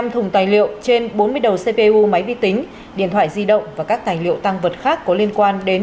một mươi thùng tài liệu trên bốn mươi đầu cpu máy vi tính điện thoại di động và các tài liệu tăng vật khác có liên quan đến